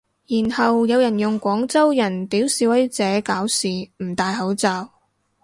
然後有人用廣州人屌示威者搞事唔戴口罩